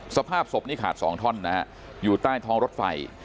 สภาพศพนี้ขาดสองท่อนนะฮะอยู่ใต้ท้องรถไฟ